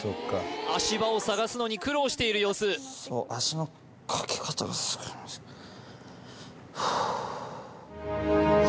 足場を探すのに苦労している様子そう足の掛け方がすごいムズいふう